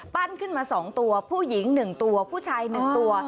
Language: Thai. ขึ้นมา๒ตัวผู้หญิง๑ตัวผู้ชาย๑ตัว